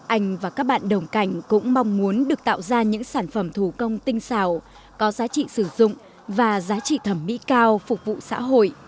anh và các bạn đồng cảnh cũng mong muốn được tạo ra những sản phẩm thủ công tinh xảo có giá trị sử dụng và giá trị thẩm mỹ cao phục vụ xã hội